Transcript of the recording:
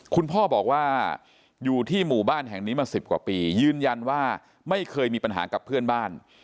คุณพ่อบอกว่าอยู่ที่หมู่บ้านแห่งนี้มา๑๐กว่าปียืนยันว่าไม่เคยมีปัญหากับเพื่อนบ้าน